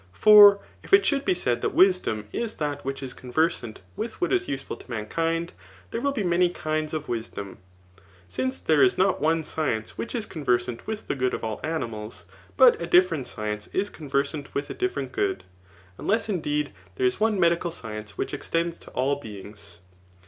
For if it should be ssud that wisdom is that which is conversant with what is useful to mankind, there will be many kinds of wisdom ; since there is not one science which is conversant with the good of all animals, but a different science is conversant with a different good ; unless indeed there is one medical science which extends to all beings.